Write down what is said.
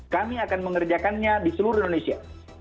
kami akan mengerjakannya di seluruh indonesia